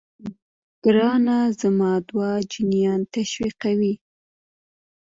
ګرانه زما دوا جنين تشويقوي.